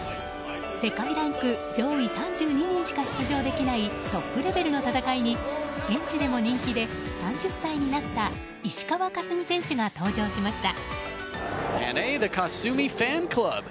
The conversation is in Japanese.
世界ランク上位３２人しか出場できないトップレベルの戦いに現地でも人気で、３０歳になった石川佳純選手が登場しました。